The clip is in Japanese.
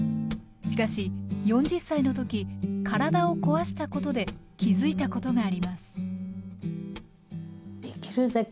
しかし４０歳の時体を壊したことで気付いたことがあります